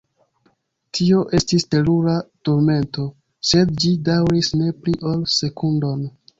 Tio estis terura turmento, sed ĝi daŭris ne pli ol sekundon.